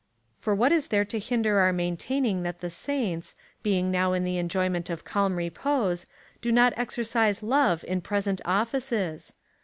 For what is there to hinder our maintaining that the saints, being now in the enjoyment of calm repose, do not exercise love in present offices?